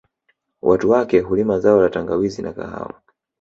Watu wake hulima zao la tangawizi na kahawa